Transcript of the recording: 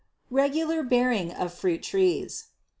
Regular Bearing of Fruit Trees.